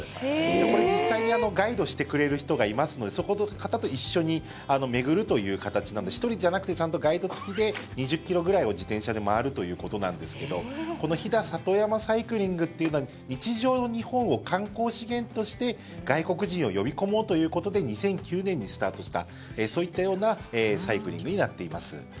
これ、実際にガイドしてくれる人がいますのでその方と一緒に巡るという形なので１人じゃなくてちゃんとガイド付きで２０ｋｍぐらいを自転車で回るということなんですけどこの飛騨里山サイクリングは日常の日本を観光資源として外国人を呼び込もうということで２００９年にスタートしたそういったようなサイクリングになっています。